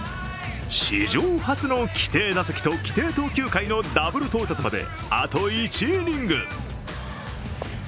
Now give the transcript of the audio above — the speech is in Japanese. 史上初の規定打席と規定投球回のダブル到達まであと１イニング。